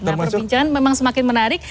nah perbincangan memang semakin menarik